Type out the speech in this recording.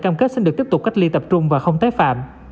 cam kết sẽ được tiếp tục cách ly tập trung và không tái phạm